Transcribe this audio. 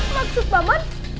maksud pak man